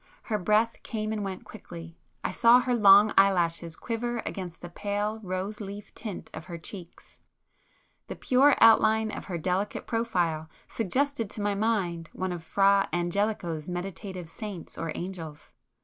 Her breath came and went quickly; I saw her long eyelashes quiver against the pale rose leaf tint of her cheeks,—the pure outline of her delicate profile suggested to my mind one of Fra Angelico's meditative saints or angels.